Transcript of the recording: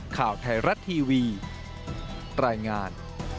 ข่าวไทยรัฐทีวีรายงาน